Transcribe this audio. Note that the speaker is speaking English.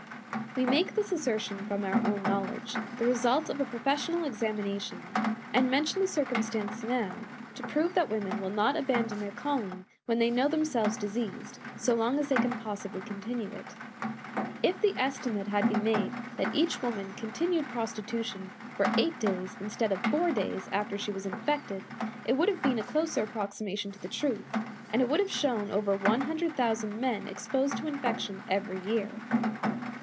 We make this assertion from our own knowledge, the result of a professional examination, and mention the circumstance now to prove that women will not abandon their calling when they know themselves diseased, so long as they can possibly continue it. If the estimate had been made that each woman continued prostitution for eight days instead of four days after she was infected, it would have been a closer approximation to the truth, and it would have shown over one hundred thousand (100,000) men exposed to infection every year.